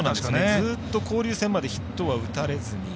ずっと交流戦までヒットは打たれずに。